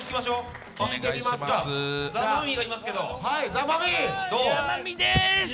ザ・マミィです！